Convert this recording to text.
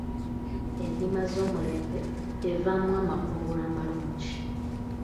Ennima z'omulembe evaamu amakungula amalungi.